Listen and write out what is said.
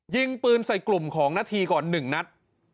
ยิงปืนใส่กลุ่มของนาธีก่อน๑นัด